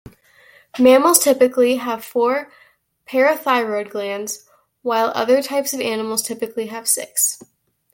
Mammals typically have four parathyroid glands, while other types of animals typically have six.